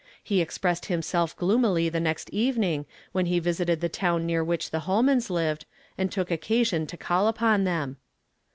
He expressed himself gloomily the next evening when he visited the town near which the Holmans lived, and took occasion to call upon them.